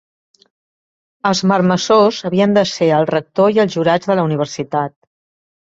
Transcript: Els marmessors havien de ser el rector i els jurats de la universitat.